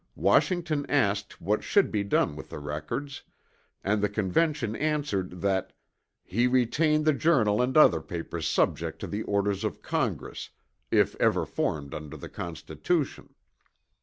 Washington asked what should be done with the records; and the Convention answered that "he retain the Journal and other papers subject to the orders of Congress, if ever formed under the Constitution."